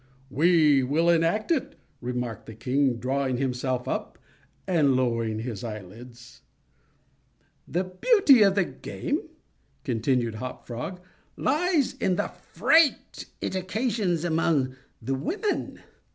"We will enact it," remarked the king, drawing himself up, and lowering his eyelids. "The beauty of the game," continued Hop Frog, "lies in the fright it occasions among the women."